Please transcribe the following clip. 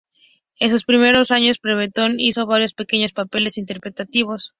En sus primeros años, Pemberton hizo varios pequeños papeles interpretativos.